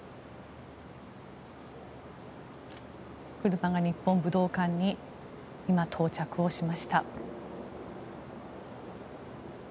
車が日本武道館に今、到着をしました。